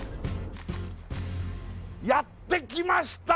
やってきました